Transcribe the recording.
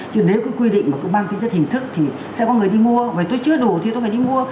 chứ nếu cứ quy định mà cứ mang tính chất hình thức thì sẽ có người đi mua vậy tôi chưa đủ thì tôi phải đi mua